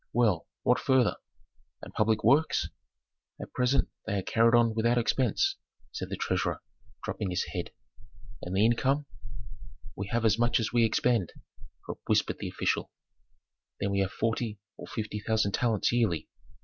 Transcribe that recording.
"Well, what further? And public works?" "At present they are carried on without expense," said the treasurer, dropping his head. "And the income?" "We have as much as we expend," whispered the official. "Then we have forty or fifty thousand talents yearly.